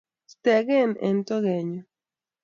Stegen eng' togennyu.